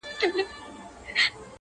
د افغان جرمن په ویب سایټ کي -